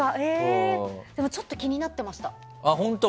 ちょっと気になってました。